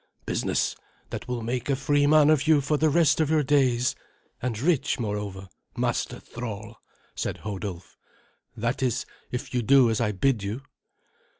"Business that will make a free man of you for the rest of your days, and rich, moreover, master thrall," said Hodulf. "That is, if you do as I bid you."